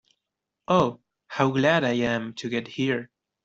Oh, how glad I am to get here!